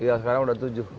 iya sekarang udah tujuh